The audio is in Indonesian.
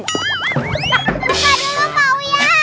lupa dulu pak uya